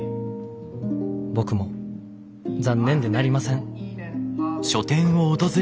僕も残念でなりません」。